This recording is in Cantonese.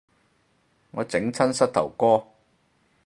我整親膝頭哥